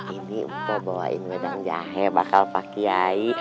ini mbak bawain medan jahe bakal pak kiai